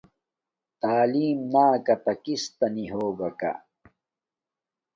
تعیلم نکاتہ کستہ نی ہوگاکا